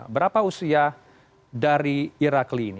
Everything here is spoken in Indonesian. berapa usia dari irakli ini